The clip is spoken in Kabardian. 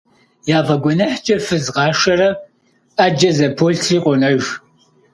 Яфӏэгуэныхькӏэ фыз къашэрэ, ӏэджи зэполъри къонэж.